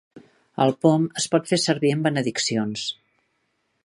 El pom es pot fer servir en benediccions.